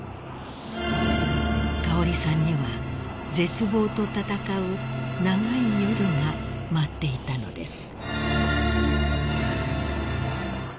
［香織さんには絶望と闘う長い夜が待っていたのです］